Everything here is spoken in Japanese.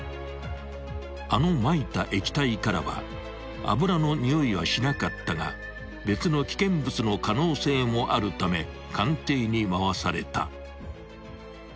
［あのまいた液体からは油のにおいはしなかったが別の危険物の可能性もあるため鑑定に回された］